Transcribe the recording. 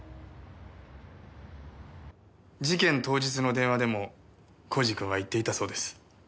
事件当日の電話でも耕治君は言っていたそうです。